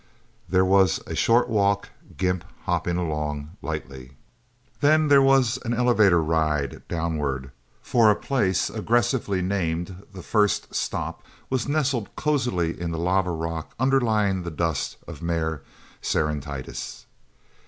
There was a short walk, Gimp hopping along lightly; then there was an elevator ride downward, for the place, aggressively named The First Stop, was nestled cosily in the lava rock underlying the dust of Mare Serenitatis.